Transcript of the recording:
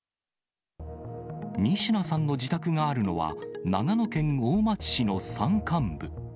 仁科さんの自宅があるのは、長野県大町市の山間部。